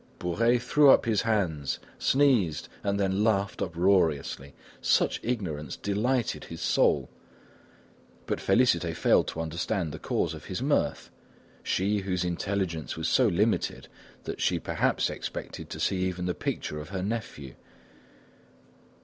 Bourais threw up his hands, sneezed, and then laughed uproariously; such ignorance delighted his soul; but Félicité failed to understand the cause of his mirth, she whose intelligence was so limited that she perhaps expected to see even the picture of her nephew!